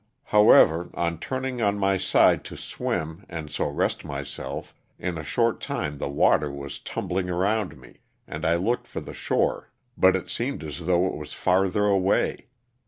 However, on turning on my side to swim and so rest myself in a short time the water was tumbling around me and I looked for the shore but it seemed as though it was farther away.